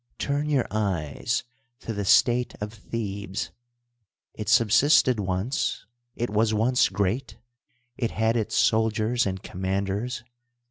Turn your eyes to the state of Thebes. It sub sisted once ; it was once great ; it had its soldiers and commanders.